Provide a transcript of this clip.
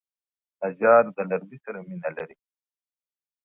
نجار د لرګي سره مینه لري.